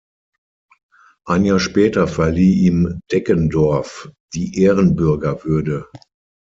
Ein Jahr später verlieh ihm Deggendorf die Ehrenbürgerwürde.